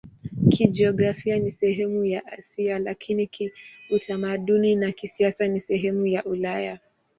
Kijiografia ni sehemu ya Asia, lakini kiutamaduni na kisiasa ni sehemu ya Ulaya.